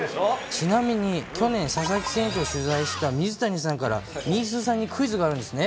ちなみに、去年、佐々木選手を取材した水谷さんから、みーすーさんにクイズがあるんですね。